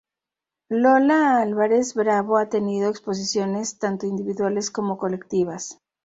Lola Álvarez Bravo, ha tenido exposiciones tanto individuales como colectivas.